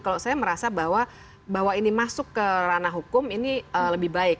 kalau saya merasa bahwa ini masuk ke ranah hukum ini lebih baik